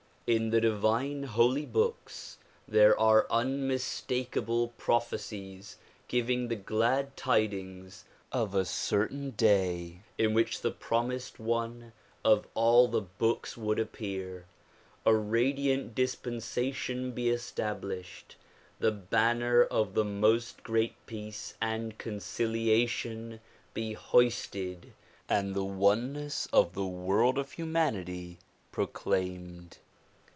In the divine holy books there are unmistakable prophecies giving the glad tidings of a certain Day in which the promised one of all the books would appear, a radiant dispensation be established, the banner of the "Most Great Peace" and conciliation be hoisted and the one ness of the world of humanity proclaimed.